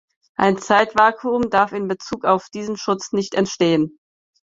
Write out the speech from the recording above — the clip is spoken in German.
Ein Zeitvakuum darf in Bezug auf diesen Schutz nicht entstehen.